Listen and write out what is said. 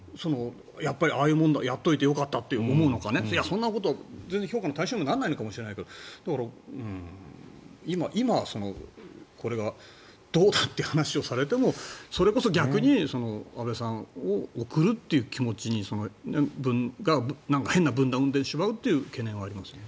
やっぱりやっといてよかったって思うのかそんなこと全然評価の対象にならないのかもしれないけど今これがどうだっていう話をされてもそれこそ逆に安倍さんを送るという気持ちがなんか変な分断を生んでしまうという懸念はありますね。